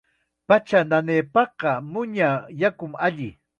Pacha nanaypaqqa muña yakum alli.